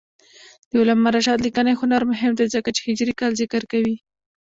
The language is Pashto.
د علامه رشاد لیکنی هنر مهم دی ځکه چې هجري کال ذکر کوي.